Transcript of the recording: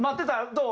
どう？